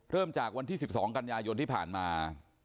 จากวันที่๑๒กันยายนที่ผ่านมา